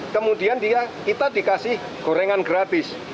kemudian dia kita dikasih gorengan gratis